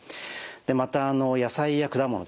また野菜や果物ですね。